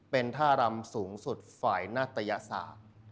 เป็นท่ารำสูงสุดฝ่ายนัตยศาสตร์